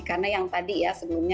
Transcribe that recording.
karena yang tadi ya sebelumnya